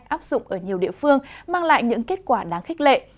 áp dụng ở nhiều địa phương mang lại những kết quả đáng khích lệ